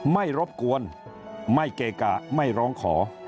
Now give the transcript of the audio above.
รบกวนไม่เกะกะไม่ร้องขอ